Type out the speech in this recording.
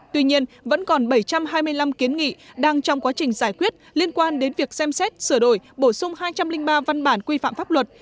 tuy nhiên vẫn còn bảy trăm hai mươi năm kiến nghị đang trong quá trình giải quyết liên quan đến việc xem xét sửa đổi bổ sung hai trăm linh ba văn bản quy phạm pháp luật